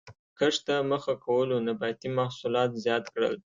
کښت ته مخه کولو نباتي محصولات زیات کړل.